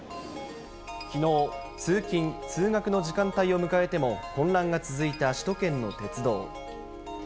きのう、通勤・通学の時間帯を迎えても混乱が続いた首都圏の鉄道。